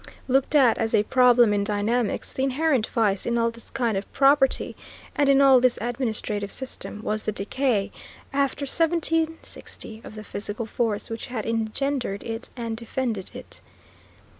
Looked at as a problem in dynamics the inherent vice in all this kind of property and in all this administrative system, was the decay, after 1760, of the physical force which had engendered it and defended it.